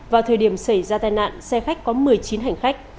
vào thời điểm xảy ra tai nạn xe khách có một mươi chín hành khách